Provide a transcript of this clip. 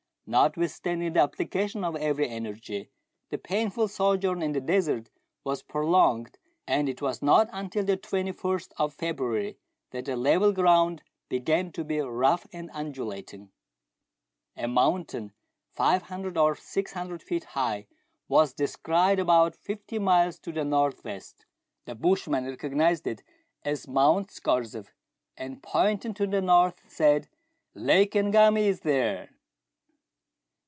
Notwithstanding the application of every energy, the painful sojourn in the desert was prolonged, and it was not until the 21st of February that the level ground began to be rough and undulating. A mountain 500 or 600 feet II 173 meridiana; the adventures of hieh was descried about fifteen miles to the north west. The bushman recognized it as Mount Scorzef, and, pointing to the north, said, —" Lake Ngami is there."